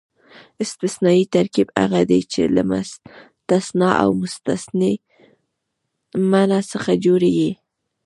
استثنایي ترکیب هغه دئ، چي له مستثنی او مستثنی منه څخه جوړ يي.